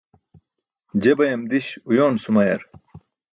Je bayam di̇ś uyoon sumayar.